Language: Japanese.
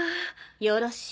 よろしい。